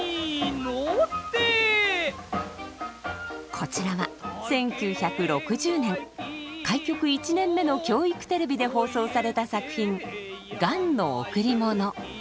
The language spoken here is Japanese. こちらは１９６０年開局１年目の教育テレビで放送された作品「雁のおくりもの」。